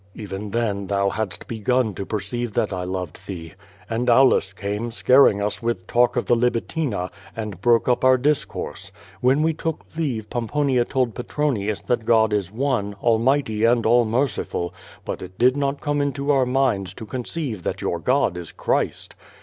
Even then thou hadst begun to perceive that I loved thee. And Aulus came, scaring us with talk of the Libitina, and broke up our discourse. When we took leave Pomponia told Petronius that God is one, almighty aiid all merciful, but it did not come into our minds to con ceive that your God is Christ.